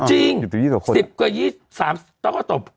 จริง๑๐กว่า๒๐๓ตัวก็ตก